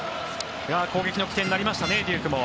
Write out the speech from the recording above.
攻撃の起点になりましたねデュークも。